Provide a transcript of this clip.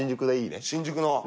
新宿の。